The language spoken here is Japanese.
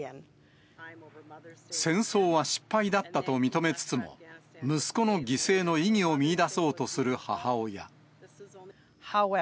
戦争は失敗だったと認めつつも、息子の犠牲の意義を見いだそうとする母親。